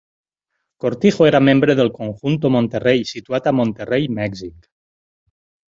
Cortijo era membre del Conjunto Monterrey, situat a Monterrey, Mèxic.